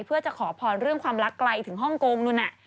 เพื่อจะขอพรเรื่องความรักไกลถึงฮ่องกงนู่นน่ะ